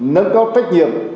nâng cao trách nhiệm